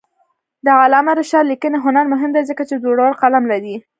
د علامه رشاد لیکنی هنر مهم دی ځکه چې زړور قلم لري.